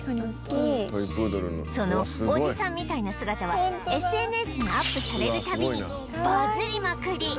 そのおじさんみたいな姿は ＳＮＳ にアップされるたびにバズりまくり